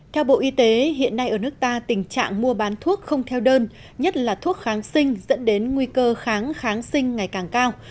theo bộ y tế hiện nay ở nước ta tình trạng mua bán thuốc không theo đơn nhất là thuốc kháng sinh dẫn đến nguy cơ kháng kháng sinh ngày càng cao